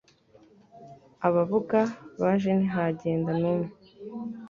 Ababuga baje ntihagenda n'umwe,